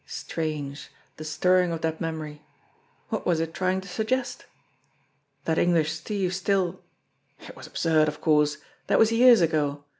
Strange, the stirring of that memory ! What was it trying to suggest? That English Steve still It was absurd, of course! That was years ago.